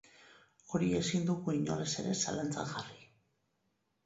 Hori ezin dugu inolaz ere zalantzan jarri.